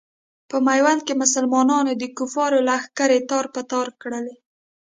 په میوند کې مسلمانانو د کفارو لښکرې تار په تار کړلې.